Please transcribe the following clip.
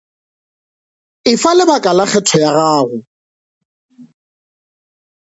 Efa lebaka la kgetho ya gago.